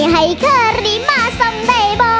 ให้เกิดริมะสำใดบ่